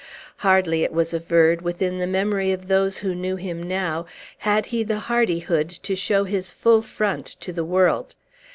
Hardly, it was averred, within the memory of those who knew him now, had he the hardihood to show his full front to the world.